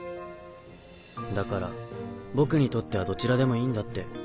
だから僕にとってはどちらでもいいんだって。